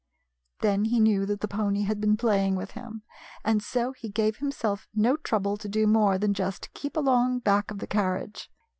Then he knew that the pony had been play ing with him, and so he gave himself no trouble to do more than just keep along back of the carriage.